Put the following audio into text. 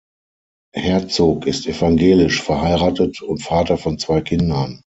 Herzog ist evangelisch, verheiratet und Vater von zwei Kindern.